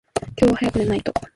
今日は早く寝ないと。